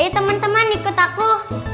ayo temen temen ikut aku